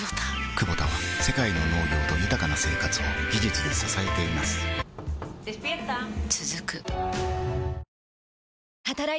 クボタは世界の農業と豊かな生活を技術で支えています起きて。